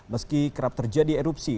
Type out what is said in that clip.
meski kerap terjadi erupsi